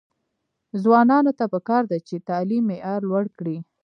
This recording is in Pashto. ځوانانو ته پکار ده چې، تعلیم معیار لوړ کړي.